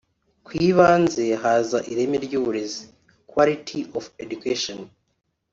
ku ibanze haza ireme ry’uburezi(Quality of Education)